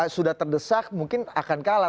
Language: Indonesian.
sudah terdesak mungkin akan kalah